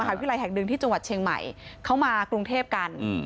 วิทยาลัยแห่งหนึ่งที่จังหวัดเชียงใหม่เขามากรุงเทพกัน